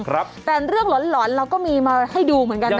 แต่เรื่องหลอนหลอนเราก็มีมาให้ดูเหมือนกันนะ